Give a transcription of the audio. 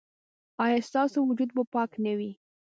ایا ستاسو وجود به پاک نه وي؟